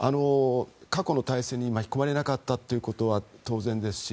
過去の大戦に巻き込まれなかったということは当然ですし